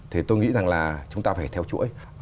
thì tôi nghĩ rằng là chúng ta phải theo chuỗi